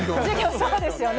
そうですよね。